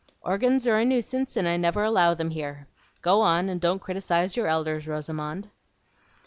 "Organs are a nuisance, and I never allow them here. Go on, and don't criticise your elders, Rosamond."